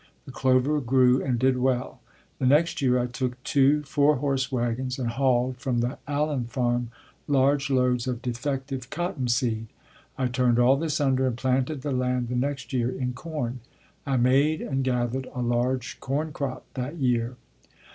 The clover grew and did well. The next year I took two four horse wagons and hauled from the Allen farm large loads of defective cotton seed. I turned all this under and planted the land the next year in corn. I made and gathered a large corn crop that year.